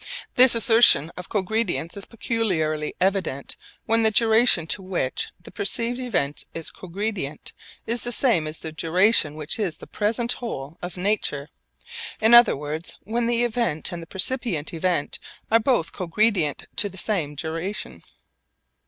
This assertion of cogredience is peculiarly evident when the duration to which the perceived event is cogredient is the same as the duration which is the present whole of nature in other words, when the event and the percipient event are both cogredient to the same duration.